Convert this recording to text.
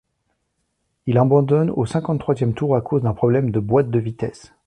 Il abandonne au cinquante-troisième tour à cause d'un problème de boîte de vitesses.